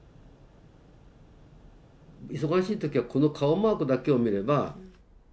忙しい時はこの顔マークだけを見れば。